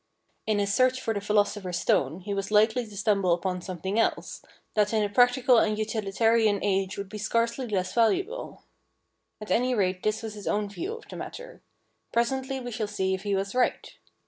In his search for the philosopher's stone he was likely to stumble upon something else, that in a practical and utilitarian age would be scarcely less valuable. At any rate this was his own view of the matter. Presently we shall see if he was right.